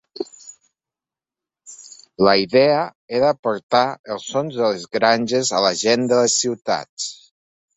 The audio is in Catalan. La idea era portar els sons de les granges a la gent de les ciutats.